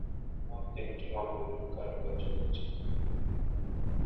মন্দিরটি অপরূপ কারুকার্য খচিত।